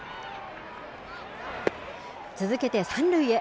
続けて三塁へ。